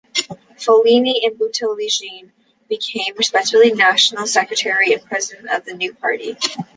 Follini and Buttiglione became respectively national secretary and president of the new party.